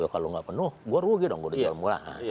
kalau nggak penuh gue rugi dong gue di dalam